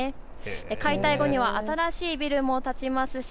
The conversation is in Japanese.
解体後には新しいビルも建ちますし